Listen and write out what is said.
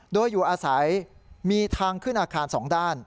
โดยอยู่อาศัยมีทางขึ้นอาคาร๒ด้าน